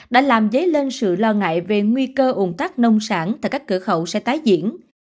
đã làm dấy lên sự lo ngại về nguy cơ ủng tắc nông sản tại các cửa khẩu sẽ tái diễn